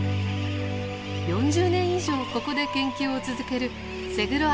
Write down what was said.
４０年以上ここで研究を続けるセグロ